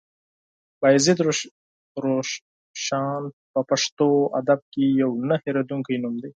بايزيد روښان په پښتو ادب کې يو نه هېرېدونکی نوم دی.